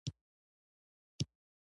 طلا د افغانستان د کلتوري میراث برخه ده.